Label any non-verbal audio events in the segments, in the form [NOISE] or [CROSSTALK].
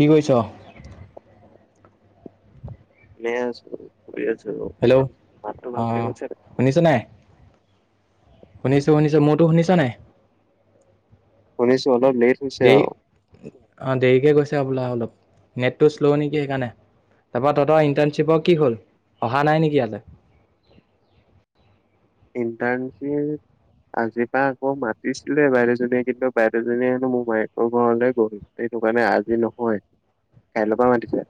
কি কৈছ? এনে আছো শুই আছো হেল্ল' মাতটো ভালকে আহ গৈছে নাই? শুনিছ নাই। শুনিছোঁ শুনিছোঁ মোৰতো শুনিছ নাই? শুনিছো অলপ লেট হৈছে দেৰি আৰু অ দেৰিকে গৈছে বোলা অলপ নেটটো শ্ল' নেকি সেইকাৰণে তাৰপা তহঁতৰ ইন্টাৰ্ণশ্বিপৰ কি হ'ল অহা নাই নেকি ইয়তে ইনতাৰ্ণচিপ আজিৰপা আকৌ মাতিছিলে বাইদেজনীয়ে কিন্তু বাইদেজনীয়ে হেনো মোৰ মায়েকৰ ঘৰলৈ গল সেইটো কাৰণে আজি নহয় কাইলৈৰ পৰা মাতিছে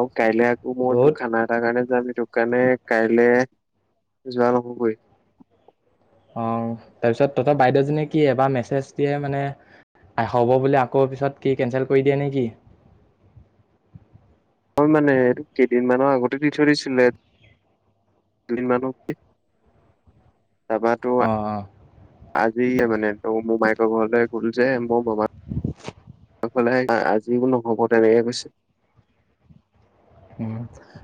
আৰু কাইলৈ আকৌ মই বহুত তোক খানা এটাাৰ কাৰণে যামি তোৰ কাৰণে কাইলে যোৱা নহগৈ অ তাৰপিছত তহঁত বাইদেউজনীয়ে কি এবাৰ মেছেজ দিয়ে মানে। আশ'ব বুলিো আকৌ পিছত কি কেচেল কৰি দিয়ে নেকি। নহই মানে এইটো কেইদিনমানৰ আগতে দি থৈছিলে। কিন মানৱ কি তাৰপ তো অঁ অঁ আজিয়ে মানে ত মোমাইকৰ ঘৰলে গল যে মোৰ ম [INAUDIBLE] ফে আজিও নহ'ব তেনেকে কৈছে। উ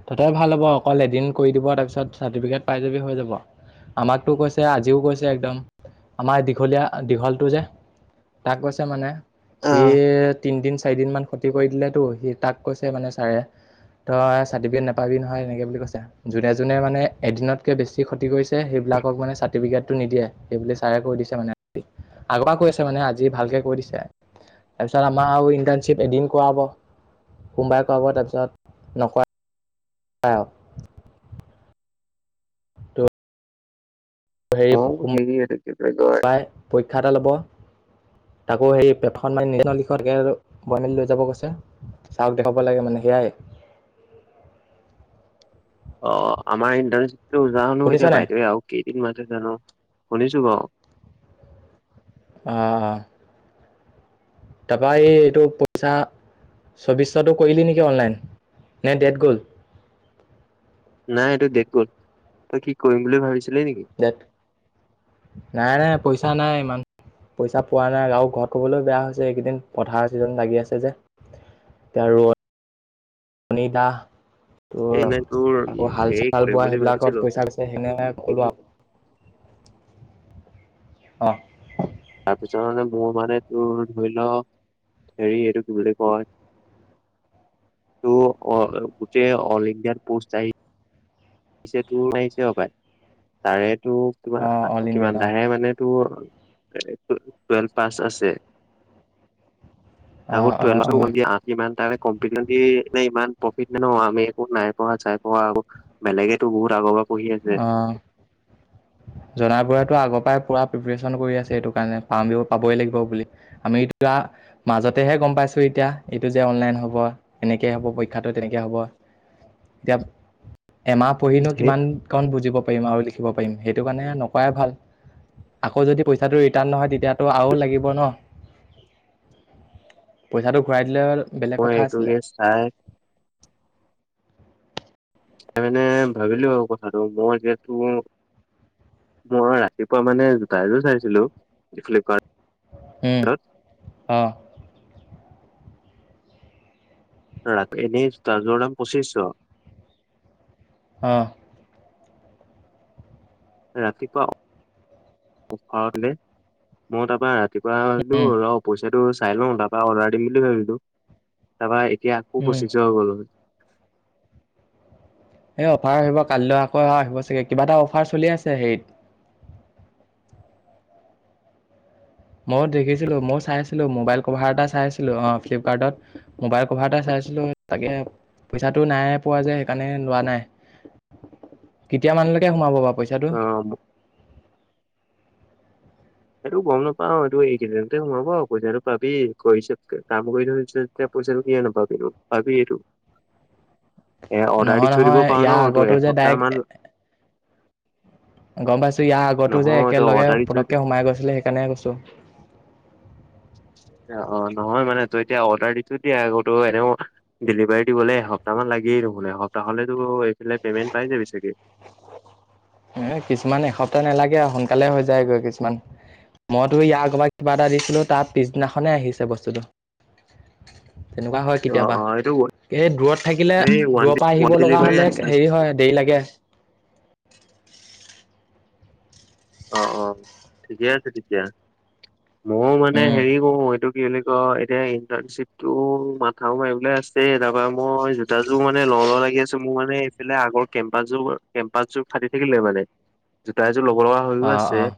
ততে ভাল হ'ব অকল এদিন কৰি দিব তাৰপিছত চাৰ্টিফিকেট পাই যাবি হৈ যাব। আমাকতো কৈছে আজিও কৈছে একদম আমাৰ দীঘলীয়া দীঘলটো যে তাক কৈছে মানে- সি আহ তিনদিন চাৰিদিন মান ক্ষতি কৰি দিলেতো সি তাক কৈছে মানে ছাৰে- তই চাৰ্টিফিকেট নাপাবি নহয় এনেকে বুলি কৈছে যোনে যোনে মানে এদিনতকে বেছি ক্ষতি কৰিছে সেইবিলাক- ক মানে চাৰ্টিফিকেট টো নিদিয়ে সেইবুলি ছাৰে কৈ দিছে মানে। আগ পৰা কৈ আছে মানে আজি ভালকে কৈ দিছে। তাৰপিছত আমাৰ আৰু ইণ্টাৰ্ণশ্বিপ এদিন কৰাব সোমবাৰে কৰাব তাৰপিছত নকৰা ই আউ ত হেৰি মইও হেৰি এইটো কি বুলি কয় সোমবাৰে পৰীক্ষা এটা ল'ব। তাকো সেই পেপাখন মানে নিজে লিখি মেলি লৈ যাব গৈছে চাৰক দেখাব লাগে মানে সেয়াই উ অ আমাৰ ইণ্টাৰ জনো শুনিছ এতিয়া নাই বাইদেৱে আৰু কেইদিন মাটে জানো। শুনিছো বাও। অঁ অ তাৰপৰা এইটো পইচা চৌবিছটাটো কৰিলি নেকি অনলাইন নে ডেট গ'ল নাই এইটো দেট গ'ল তই কি কৰিম বুলি ভাবিছ? দে নাই নাই পইচা নাই ইমান পইচা পোৱা নাই আৰু ঘৰত কবলৈ বেয়া হৈছে এইকেইদিন পথাৰ চিজন লাগি আছে যে তাৰো তিনতা ত এই মানে তোৰ আকৌ হাল হেৰি চাল কৰিম বোৱা বুলি সেইবিলাকত ভাবিছিলো, পইচা গৈছে সেনেহে কলো আকৌ অ তাৰপিছত মানে মোৰ মানে তোৰ ধৰি লও হেৰি এইটো কি বুলি কয় ত অ গোটেই অল ইণ্ডিয়াৰ পষ্ট আহি পিছে তোৰ নাম আহিছে সপাই তাৰে তো কিবা অ অল আকৌ কিমান ইণ্ডিয়াত অ তাহে মানে তোৰ, টুৱেলভ পাছ আছে অ অ অ [UNINTELLIGIBLE] ইমান প্ৰফিট নে ন আমি একো নাই পঢ়া চাই পঢ়া আ বেলেগেতো বহুত আগত অহ জনা বোৰেটো আগৰ পৰাই পূৰা প্ৰিপেৰেশ্যন কৰি আছে এইটো কাৰণে পাম পাবই লাগিব বুলি আমি এতিয়া, মাজতেহে গম পাইছো এতিয়া এইটো যে অনলাইন হব এনেকে হব পৰীক্ষাটো তেনেকে হ'ব এতিয়া এমাহ উম, পঢ়িনো সেই কিমান কণ বুজিব পাৰিম আৰু লিখিব পাৰিম পাৰিম সেইটো কাৰণে নকৰাই ভাল আকৌ যদি পইচাটো ৰিটাৰ্ণ নহয় তেতিয়াতো আৰু লাগিব ন পইচাটো ঘূৰাই দিলে হ'ল অ এইটোকে চাই সেই মানে ভাবিলো আৰু কথাটো মই যিহেতু মই ৰাতিপুৱা মানে জোতা এযোৰ চাইছিলো ফ্লিপকাৰ্ট ওহ‌ অ ধৰক এনেই জোতা জোৰ দাম পচিচশ অহ ৰাতিপুৱা মই তাৰপৰা ৰা ৰাতিপুৱালো উম ৰ পইচাটো চাই লওঁ তাৰপা অৰ্ডাৰ দিম বুলি ভাবো তাৰপা এতিয়া আকৌ উম পচিশ হৈ গ'ল এই অফাৰ আহিব কাইলৈ আকৌ আহিব চাগে কিবা এটা অফাৰ চলি আছে হেৰিত [UNINTELLIGIBLE] মই দেখিছিলোঁ মই চাই ছিলো মোবাইল কভাৰ এটা চাইছিলো অ ফ্লিপকাৰ্টত মোবাইল কভাৰ এটা চাইছিলো তাকে- পইচাটো নাই পোৱা যে সেইকাৰণে লোৱা নাই কেতিয়া মানুহলৈকে সোমাব বা পইচাটো অ এইটো গম নাপাও এইটো এইকেইদিনতে সোমাব পইচাটো পাবি কৰিছে কাম কৰি থৈছে যেতিয়া। পইচাটো পাৱ পাবি- এ অৰ্ডাৰ দি নহয় থৈ দিব নহয় পাৰ ন ইয়াৰ তই আগতো যে এসপ্তাহ মান ডাইৰেক্ট গম পাইছো ইয়াৰ আগতো যে নহয় তই একেলগে অৰ্ডাৰ দি থৈ পতককে সোমাই গৈছিলে সেইকাৰণে কৈছো। অ নহয় মানে তই এতিয়া অৰ্ডাৰ দিয়ে আকৌ তো এনেও ডেলিভাৰী দিবলৈ এসপ্তাহান লাগি। সপ্তাহলেতো এইফালে পে'মেণ্ট পাই যাবি চাগে। এ কিছুমান এসপ্তাহ নালাগে সোনকালে হৈ যায়গৈ কিছুমান- মইতো ইয়াৰ কৰবাক কিবা এটা দিছিলোঁ তাত পিছদিনাখনেই আহিছে বস্তুটো তেনেকোৱা হয় অ কেতিয়াবা। অ এইটো এই দূৰত থাকিলে এই ওৱান দূৰৰ ডে পৰা ওৱান আহিব ডে লগা ডেলিভাৰী হ'লে আছিলে হেৰি হয় দেৰি লাগে। অ অ ঠিকে আছে তেতিয়া ময় মানে উম হেৰি কৰো এইটো কি বুলি ক এতিয়া ইণ্টাৰনশ্বিপ টো মাথাও মাৰিবলৈ আছে তাৰ পৰা মই জোতা জোৰ মানে তল লাগি আছো মোৰ মানে এইফালে আগৰ কেম্পাযোৰ কেম্পাচযোৰ ফাটি থাকিলে। মানে যোটা এযো লগৰ লগ আহ অ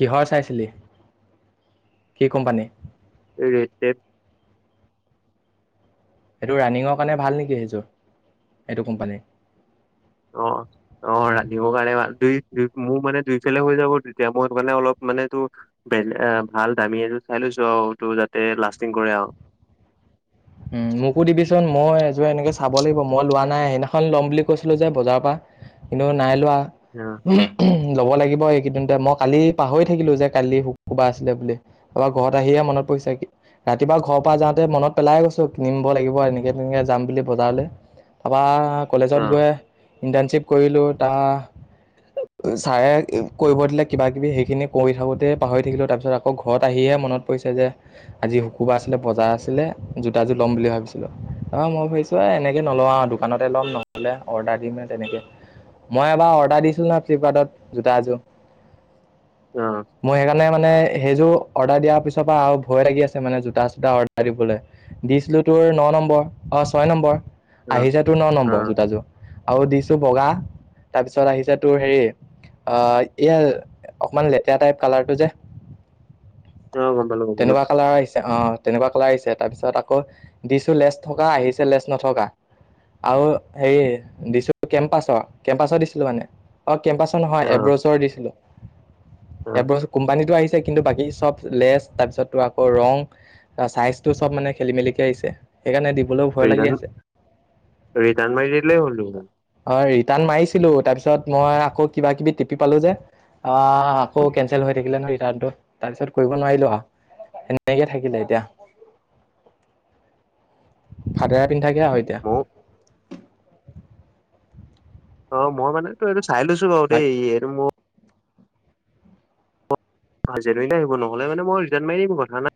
কিহৰ চাইছিলি- কি কোম্পানী এইট সেইটো ৰানিঙৰ কাৰণে ভাল নেকি সেইযোৰ এইটো কোম্পানীৰ- অ অ ৰান্ধিবৰ কাৰণে দুই মোৰ মানে দুইফালে হৈ যাব তেতিয়া মই সেই কাৰণে অলপ- মানে তটো বেলে ভাল দামী এই চাই লৈছো আৰু ত যাতে লাষ্টিং কৰে আৰু- [INAUDIBLE] উম মোকো দিবিচোন মই এযোৰ এনেকে চাব লাগিব মই লোৱা নাই সেইদিনাখন ল'ম বুলি কৈছিলো যে বজাৰৰ পৰা- কিন্তু নাই লোৱা। অ ল'ব লাগিব এই কিদন্ত মই কালি পাহৰি থাকিলো যে কালি কোবা আছিলে বুলি তপ ঘৰত আহিয়ে মনত- পইচা কি ৰাতিুৱা ঘৰ পৰা যাওঁতে মনত পেলাই গৈছ। কিনিব লাগিব এনেকে তেনেকে যাম বুলি বজাৰলৈ তাপা কলেজত গৈ ইণ্টাৰ্ণশিপ কৰিলোঁ তাৰ চাৰে কৰিব দিলে কিবা কিবি সেইখিনি কৰি থাকোতে পাহৰি থাকিলো তাৰ পিছত আকৌ ঘৰত আহি। মনত পৰিছে যে আজি শুকোবা আছিলে বজাৰ আছিলে জোতাযোৰ লম বুলি ভাবিছিলো অ মই ভাবিছো এ এনেকে নলওঁ আৰু দোকানতে ল'ম নহলে অৰ্ডাৰ দিম তেনেকে মই এবাৰ অৰ্ডাৰ দিছিলো ন ফ্লিপকাৰ্টত জোতা এযোৰ- আহ মই সেইকাৰণে মানে সেইযোৰ অৰ্ডাৰ দিয়াৰ পিছৰ পৰা আৰু ভয় লাগি আছে মানে জোতা চোতা অৰ্ডাৰ দিবলৈ- দিছিলো তোৰ ন নম্বৰ অ ছয় নম্বৰ আহি য তোৰ ন অ নম্বৰ জোতাযোৰ- আৰু দিছো বগা তাৰপিছত আহিছে তোৰ হেৰি- এইয়া অকণমান লেতেৰা টাইপ কালাৰটো যে- অ গমপালো গমপালো অ তেনেকুৱা কালাৰ আহিছে তাৰ পিছত আকৌ দিছো লেছ থকা আহিছে লেছ নথকা। আৰু হেৰি দিছো কেম্পাছৰ কেম্পাছৰ দিছিলো মানে অ- কেম্পাছৰ নহয় অ এব্ৰ'চৰ দিছিলোঁ- অ এব কোম্পানীটো আহিছে কিন্তু বাকী চব লেচ তাৰপিছত তো আকৌ ৰং চাইজ- চব মানে খেলি মেলিিক আহি সেইণে দ- লেও ভয় লাগি ৰিটাৰ্ণ আছে ৰিটাৰ্ণ মাৰি দিলেই হ'ল দেখোন অ টান মাৰিছিলো তাৰপিছত মই আকৌ কিবা কিবি টিপি পালো যে- অ আকৌ কেচেল হৈ থাকিলে ন ৰিটাৰ্টো তাৰপিছত কৰিব নোৱাৰিলো আহ- সেনেকে থাকিলে এতিয়া ভাতেৰা পিন্ধাকে আৰু ময়ো এতিয়া। অ মই মানে ত এইটো চাই লৈছো বাৰু অ দেইটো মোৰ অ জ আহিব নহলে মানে মই ৰিজাল্ মাৰিমো কথা নাই।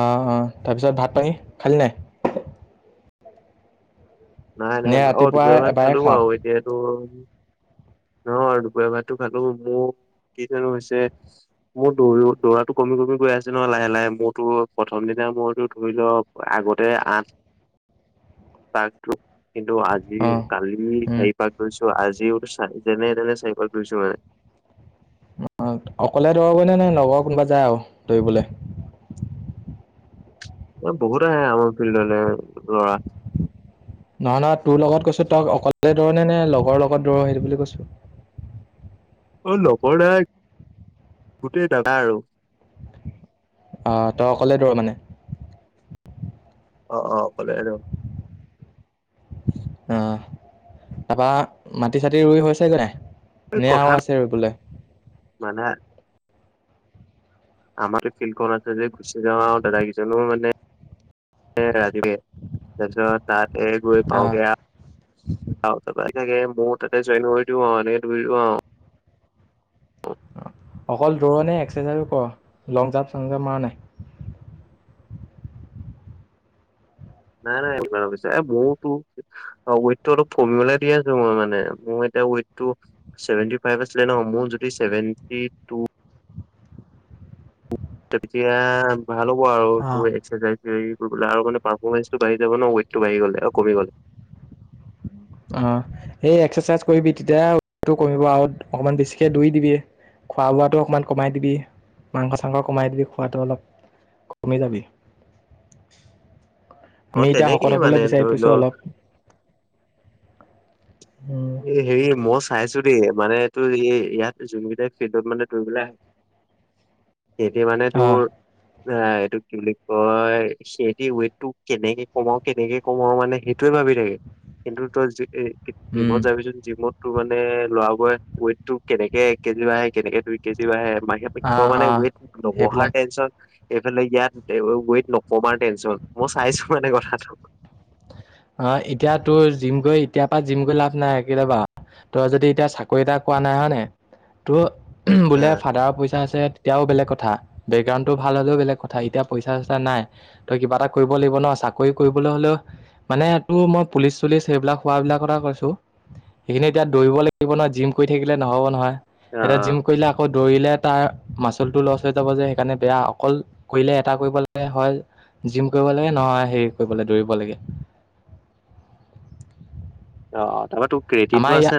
অঁ অঁ তাৰপিছত ভাত পানী খালি নাই- নাই নাই নে অ দু ৰাতিপুৱা চাল এবাৰে খাওঁ এতিয়াটো নহয় দুপৰীয়া ভালো মোৰ কি জানো হৈছে। মোৰ দৌ দৌৰা কমি কমি গৈ আছে নহ লাহে লাহে মোৰতো প্ৰথম দিনা মইতো ধৰি লওক- আগতে আঠ উ তাক কিন্তু আজি অ কালি উম চাৰি পাক লৈছো আজি- যেনে তেনে চাইকল তুলিছো মানে- অ অকলে দৌৰাবই নে নাই নগাঁ কোনোবা যায় আৰু দৌৰিবলে এ বহুত আহে আমাৰ ফিল্ডলে লৰা- নহয় নহ তোৰ লগত কৈছো তক অকলে দৌৰনেে নে লগৰ লগত দৌৰ সেইটো বুলি কৈছো। উ অ নবৰ নাই গোটেই দাদা আৰু আহ তই অকলে দৰ মানে- অ অ অকলে আৰু আহ তাৰাপা মাটি চাটি ৰুই হৈছেগৈ নাই এই কথা নেয়াও আছে ৰুবলে- আমাৰ ফিল্ডখন আছে যে গুচি যাওঁ আৰু দাদ কেইজনো মানে ৰাজগীৰ যচ তাত এই গই অঁ পাওঁগে তাগে মোৰ তাতে জইন কৰি দিও আহ এনেই ধৰি দিওঁ আহ অ অকল দৌৰ নে এক্সাৰচাইজো কৰ লং জাম্প চাং জাপ মাৰ নাই। নাই নাই এইব এই ময়তো ৱইটটো অলপ কমিবলৈ দি আছো মই মানে মই ৱেট টো চেভেনতি ফাইভ আছিলে ন মোৰ যদি ছেভেনতি [UNINTELLIGIBLE] তেতিয়া ভাল হব আৰু অঁ এক্সচাইজ কৰি- আৰু মানে পাৰফৰমেঞ্চটো বাঢ়ি যাব ন ৱেটটো বাঢ়ি গলে আৰু কমি গ'লে। অ এই এক্সাৰচাইজ কৰিবি তেতিয়াটো কমিব আৰু অকমান বেছিকে দৌৰি দিবি। খোৱা বোৱাটো অকমান কমাই দিবি মাংস চাংস কমাই দিবি খোৱাটো অলপ। কমি যাবি। অ আমি এতিয়া শকত তেনেকেই মানে হবলৈ বিচাৰি ধৰি ফুৰিছোঁ লও অলপ। এ হেৰি মই চাইছো। মানে তোৰ এই ইয়াত যোন কেইটা ফিল্ডত মানে দৌৰিবলৈ আহে- এতিয়া মানে তোৰ অঁ অ এইটো কি বুলি কয় সিহতি ৱেইট টো কেনেকে কমাও কেনেকে কমাও মানে সেইটোয়ে ভাব। থাকে কিন্তু তই জিমত যাবিচোন জিমত মানে লৰা বোৰে ৱেট টো কেনেকে এক কেজি বাঢ়ে কেনেকে দুই কেজি বাঢ়ে। বাহিৰা পক্ষ অঁ মানে অঁ ৱেট নৱহাৰ সেইবিলাক টেনশ্যন এইফালে ইয়াত ৱেট নকমাৰ টেনচন মই চাইছো মানে কথাটো। অ এতিয়া তোৰ জিম গৈ এতিয় পৰা জিম গৈ লাভ নাই কেলেবা তই যদি এতিয়া চাকৰি এটা কোৱা নাই হয় নে তোৰ বোলে অ'। ফাদাৰৰ পইচা আছে। এতিয়াও বেলেগ কথা বেকগ্ৰাউণ্ডটো ভাল হলেও বেলেগ কথা এতিয়া পইচা চইচা নাই তই কিবা এটা কৰিব লাগিব ন আ- চাকৰি কৰিবলৈ হলেও মানে এইটো মই পুলিচ চুলিচ সেইবিলাক হোৱাবিলাক কথা কৈছো। সেইখিনি এতিয়া দৌৰিব লাগিব নহয় জিম কৰি থাকিলে নহব নহয় এতিয়া জিম অ', কৰিলে আকৌ- দৌৰিলে তাৰ মাচুলটো লছ হৈ যাব যে সেইকাৰণে বেয়া অকল কৰিলে এটা কৰিব হয়। জিম কৰিব লাগে নহয় হেৰি কৰিব লাগে দৌৰিব লাগে অ তাৰাতো আমাৰ ইয়াত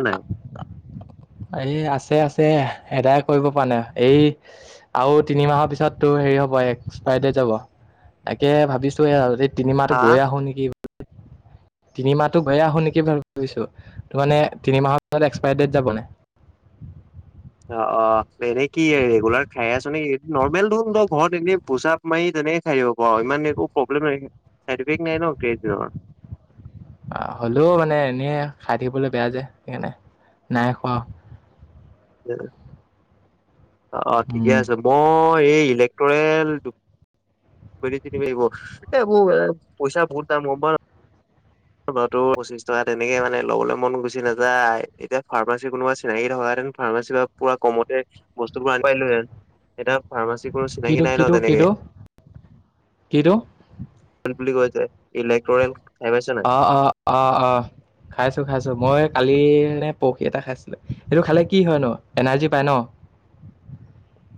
এই আছে আছে। এ এদায় কৰিব প নে এই আৰু তিনিমাহৰ পিছততটো হেৰি হ'ব এক্সপাই ডট তাকে ভাবিছোৱে আৰু- তিনিমাহটো হা গৈ আহো নেকি তিনিমাহটো গৈ আহো নেকি ভাল ভাবিছোঁ। ত মানে তিনি মাহৰত এক্সপাইৰী ডেট যাব। অ অ এনেই কি ৰেগুলাৰ খাই আছ নৰ্মেল ধোন ত ঘৰত এনে পুচাপ মাৰি। তেনেকে থাকিব পাৰ ইমান একো প্ৰব্লেম নাইফ নাই ন। হয় আহ হ'লেও মানে এনে খাই থাকিবলৈ বেয়া যোয় সেইকাৰণে নাই খোৱা। অ ঠিকে উম আছে মই এই ইলেক্টৰেল ব চিনিবাৰিব এবোৰ পইচা বহুত দাম গম পাওঁ লটো পচিশ টকা তেনেকে মানে ল'বলৈ মন গুচি নাযায় এতিয়া ফাৰ্মাচী কোনোবা চিনাকি থকা। ফাৰ্মাচী বা পুৰা কমতে বস্তুবোৰ আনিছিলো হে এয়া ফাৰ্মাচী কোনো চিনাকি কিটো নাই ন কিটো তেনেকে। কিটো কিটো বুলি কৈছে ইলেক্ট্ৰনিক। অ অ অ অ খাইছো খাইছো মই। কালি পৰহি এটা খাইছিলো সেইটো খালে কি হয় ন এনাৰ্জি পাই ন। [UNINTELLIGIBLE]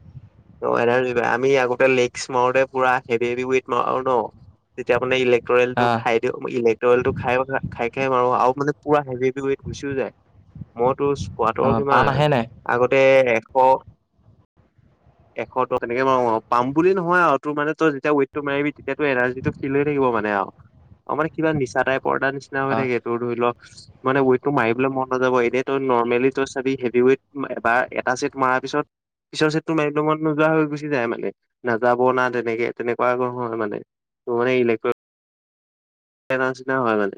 আমি আগতে লেগছ মাৰোতে পুৰা হেভি হেভিহ ৱেট মাৰো ন। তেতিয়া মানে, ইলেক্টৰিয়ল অ টো খাই দিওঁ ইলেক্টৰিল খাই খাই-খাই মাৰো আৰু মানে পুৰা হেভি হেভি ৱট কৰিছো যে, মইতো স্কোয়াট অ পাম কিমান আহে নাই আগতে অহ এশ, তেনেকে মাৰো আৰু পাম বুলি নহয় আৰু তোৰ মানে তই যেতিয়া ৱেইটটো মাৰিবি, তেতিয়াটো এনাৰ্জিটো ফিল হৈ থাকিব। মানে আৰু মানে কিবা নিছা টাইপৰটা নিচিনাএটা হৈ অ থাকে, তোৰ এইটো ধৰি ল মানে ৱেইটটো মাৰিবলৈ মন নাযাব, এনে তই নৰ্মেলি তই চাবি হেভি ৱট এবাৰ এটা চে'ট ম তাৰপিছত পিছৰ তোৰ মাৰিব মন নোযোৱা হৈ গুচি যায়, মানে নাযাব না তেনেকে তেনেকুৱা নহয় মানে। তোৰ মানে ইলেট্ৰ নচনা নিচিনা হয় মানে।